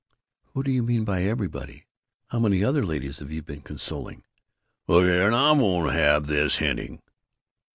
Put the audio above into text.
"Who do you mean by 'everybody'? How many other ladies have you been consoling?" "Look here now, I won't have this hinting!"